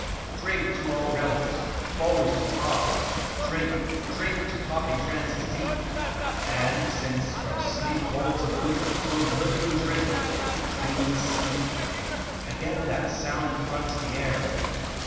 Drink to all revels — foes to thought ! Drink, drink to poppy trances deep ! And since from some sleep holds aloof. To oblivion drink !— the dreamless sleep. Again that sound affronts the air